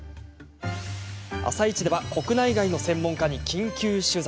「あさイチ」では国内外の専門家に緊急取材。